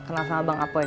kenal sama bang kappoy ya